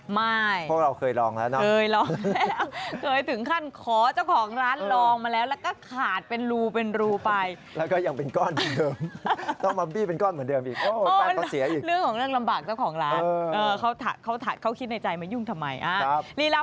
ไม่ครับเพราะเราเคยลองแล้วนะครับ